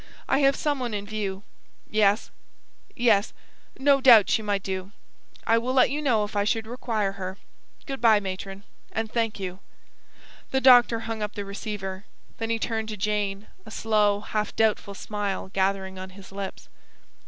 I have some one in view ... Yes.... Yes.... No doubt she might do ... I will let you know if I should require her ... Good bye, Matron, and thank you." The doctor hung up the receiver. Then he turned to Jane; a slow, half doubtful smile gathering on his lips.